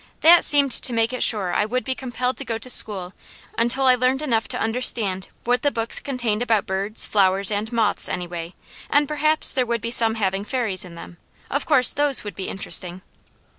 THAT seemed to make it sure I would be compelled to go to school until I learned enough to understand what the books contained about birds, flowers, and moths, anyway; and perhaps there would be some having Fairies in them. Of course those would be interesting.